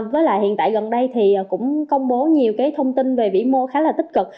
với là hiện tại gần đây thì cũng công bố nhiều cái thông tin về vĩ mô khá là tích cực